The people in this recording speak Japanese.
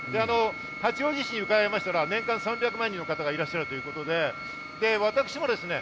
八王子市に伺いましたら年間３００万人の方がいらっしゃるそうですね。